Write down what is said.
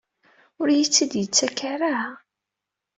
Ur iyi-tt-id-yettak ara?